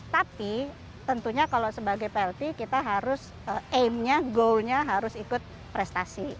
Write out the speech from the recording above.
tapi tentunya kalau sebagai plt kita harus aim nya goalnya harus ikut prestasi